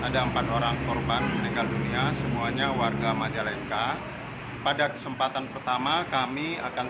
dengan jumlah lima puluh juta rupiah sesuai